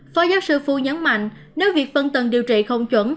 phó giáo sư phu nhấn mạnh nếu việc phân tầng điều trị không chuẩn